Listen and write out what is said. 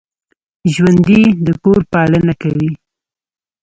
ژوندي د کور پالنه کوي